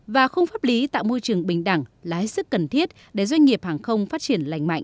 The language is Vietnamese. và không pháp lý tạo môi trường bình đẳng lái sức cần thiết để doanh nghiệp hàng không phát triển lành mạnh